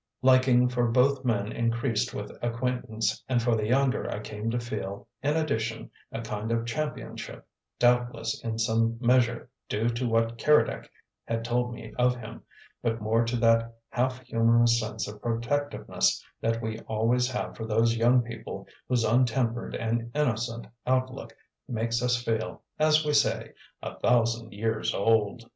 Liking for both men increased with acquaintance, and for the younger I came to feel, in addition, a kind of championship, doubtless in some measure due to what Keredec had told me of him, but more to that half humourous sense of protectiveness that we always have for those young people whose untempered and innocent outlook makes us feel, as we say, "a thousand years old."